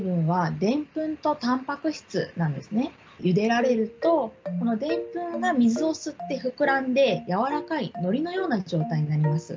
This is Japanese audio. ゆでられるとこのでんぷんが水を吸って膨らんでやわらかいのりのような状態になります。